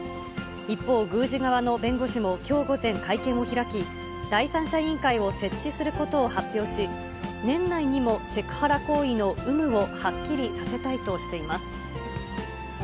一方、宮司側の弁護士もきょう午前、会見を開き、第三者委員会を設置することを発表し、年内にもセクハラ行為の有無をはっきりさせたいとしています。